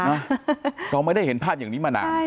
เราไม่ได้เห็นภาพอย่างนี้มานาน